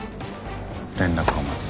連絡を待つ。